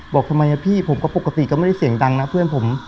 บอกทำไมพี่ผมก็ปกติก็ไม่ได้เสียงดังนะเพื่อนผม